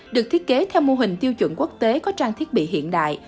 được thiết kế theo mô hình tiêu chuẩn quốc tế có trang thiết bị hiện đại